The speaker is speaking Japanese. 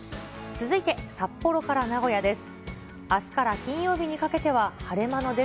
続いて、札幌から名古屋です。